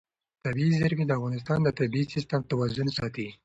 طبیعي زیرمې د افغانستان د طبعي سیسټم توازن ساتي.